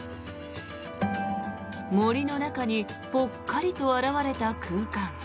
森の中にぽっかりと現れた空間。